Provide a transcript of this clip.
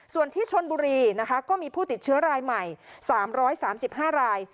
ส่วนที่ชนบุรีนะคะก็มีผู้ติดเชื้อรายใหม่๓๓๕ราย